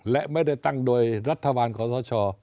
และไม่ได้ตั้งโดยรัฐบาลขอสช